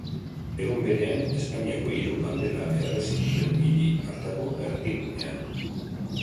Egun berean, Espainiako hiru bandera erre zituen hiri hartako erdigunean.